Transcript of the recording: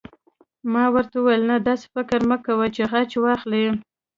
ما ورته وویل: نه، داسې فکر مه کوه چې غچ واخلې.